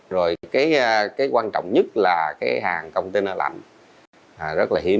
rồi cái quan trọng nhất là cái hàng container lạnh rất là hiếm